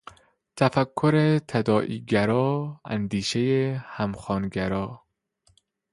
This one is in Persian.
تفکر تداعی گرا، اندیشهی همخوانگرا